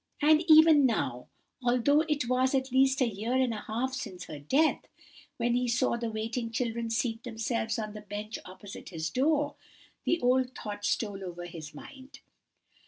"And even now, although it was at least a year and a half since her death, when he saw the waiting children seat themselves on the bench opposite his door, the old thought stole over his mind.